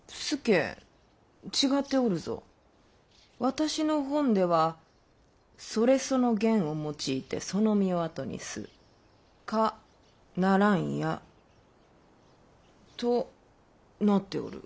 私の本では「夫れ其の言を用いて其の身を後にす可ならんや」となっておる。